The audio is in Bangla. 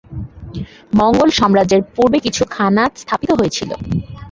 মঙ্গোল সাম্রাজ্যের পূর্বে কিছু খানাত স্থাপিত হয়েছিল।